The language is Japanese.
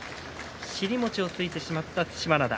尻餅をついてしまった對馬洋。